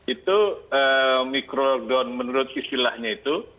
itu micro lockdown menurut istilahnya itu